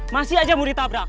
masih aja mau ditabrak